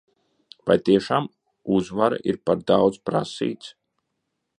Vai tiešām uzvara ir par daudz prasīts?